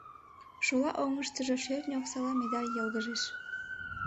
Шола оҥыштыжо шӧртньӧ оксала медаль йылгыжеш.